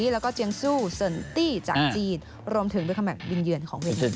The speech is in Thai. แล้วก็เจียงซูเซินตี้จากจีนรวมถึงด้วยคำแมมบินเยือนของเวียน